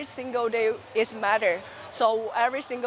tapi tidak setiap hari itu penting